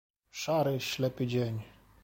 "Szary, ślepy dzień."